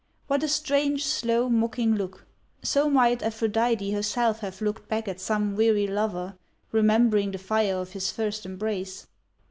What a strange, slow, mocking look! So might Aphrodite herself have looked back at some weary lover, remembering the fire of his first embrace.